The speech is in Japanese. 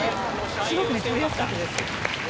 すごくね、食べやすかったです。